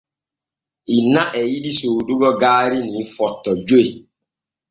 Inna e yiɗi soodugo gaari ni Footo joy.